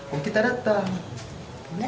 kok kita datang